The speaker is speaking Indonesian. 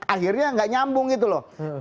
akhirnya nggak nyambung gitu loh